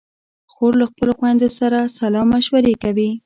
خور له خپلو خویندو سره سلا مشورې کوي.